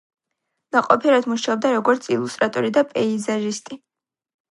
ნაყოფიერად მუშაობდა როგორც ილუსტრატორი და პეიზაჟისტი.